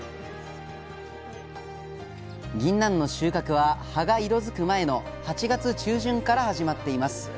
ぎんなんの収穫は葉が色づく前の８月中旬から始まっています。